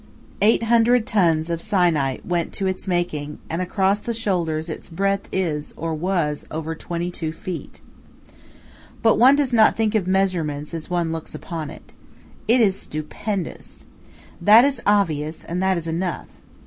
Eight hundred tons of syenite went to its making, and across the shoulders its breadth is, or was, over twenty two feet. But one does not think of measurements as one looks upon it. It is stupendous. That is obvious and that is enough.